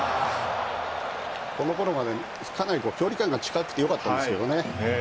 このころまで、かなり距離感が近くて良かったんですけどね。